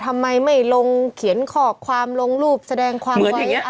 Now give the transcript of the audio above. ไม่ลงเขียนขอบความลงรูปแสดงความไว้อะไร